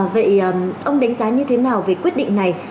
vậy ông đánh giá như thế nào về quyết định này